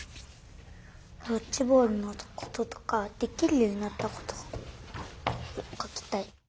ドッジボールのこととかできるようになったことかきたい。